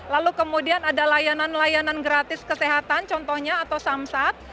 lalu kemudian ada layanan layanan gratis kesehatan contohnya atau samsat